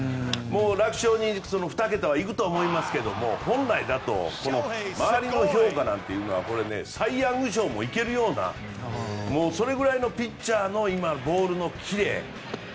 楽勝に２桁は行くと思いますけども本来だと周りの評価なんてのはサイ・ヤング賞も行けるようなそれぐらいのピッチャーのボールのキレ。